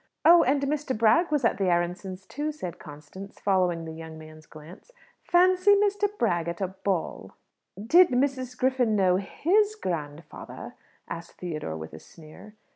"Oh, and Mr. Bragg was at the Aaronssohns', too," said Constance, following the young man's glance. "Fancy Mr. Bragg at a ball!" "Did Mrs. Griffin know his grandfather?" asked Theodore, with a sneer.